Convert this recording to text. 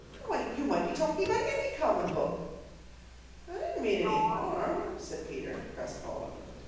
"Why, you might be talking about ANY common book." "I didn't mean any harm," said Peter, crestfallen.